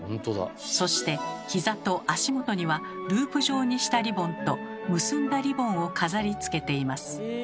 そしてひざと足元にはループ状にしたリボンと結んだリボンを飾りつけています。